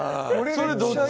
これどっち？